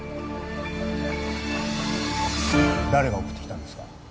誰が送ってきたんですか？